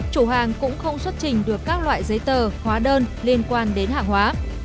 chủ hàng cũng không xuất trình được các loại giấy tờ hóa đơn liên quan đến hàng hóa